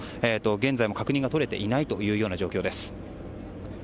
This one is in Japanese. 現在も確認が取れていないという状況です。